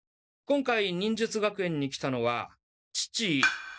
今回忍術学園に来たのは父。